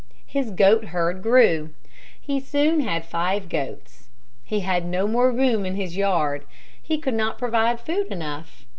His goat herd grew. He soon had five goats. He had no more room in his yard. He could not provide food enough.